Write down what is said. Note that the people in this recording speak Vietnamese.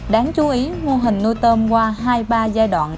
đáng chú ý mô hình nuôi tôm qua hai ba giai đoạn